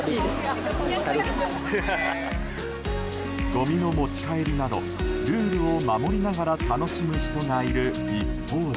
ごみの持ち帰りなどルールを守りながら楽しむ人がいる一方で。